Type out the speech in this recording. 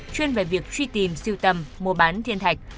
chuyên về việc truy tìm siêu tầm mua bán thiên thạch